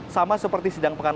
sama seperti sidang pengalaman